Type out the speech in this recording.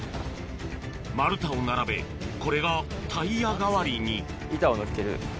丸太を並べこれがタイヤ代わりに板をのっける。